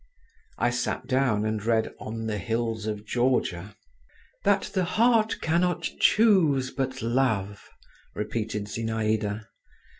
I sat down and read "On the Hills of Georgia." "'That the heart cannot choose but love,'" repeated Zinaïda.